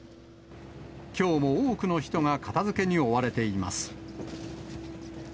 きょうも多くの人が片づけに追われています。